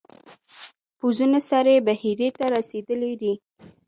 پوځونه سرې بحیرې ته رسېدلي دي.